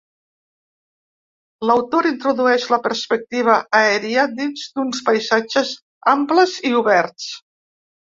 L'autor introdueix la perspectiva aèria dins d'uns paisatges amples i oberts.